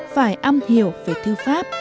phải âm hiểu về thư pháp